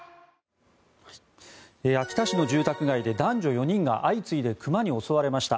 秋田市の住宅街で男女４人が相次いでクマに襲われました。